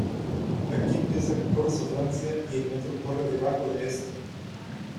Aquí empieza Corso Francia y el metro corre debajo de este.